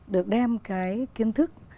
được đem cái kiến thức